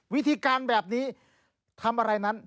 วิธีการแบบนี้ทำอะไรนั้น